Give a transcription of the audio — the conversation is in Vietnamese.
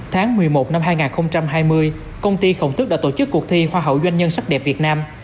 tháng một mươi một năm hai nghìn hai mươi công ty khổng thức đã tổ chức cuộc thi hoa hậu doanh nhân sắc đẹp việt nam